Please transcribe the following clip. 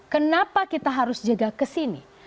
kenapa kita harus jaga kesini